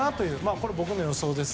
これは僕の予想です。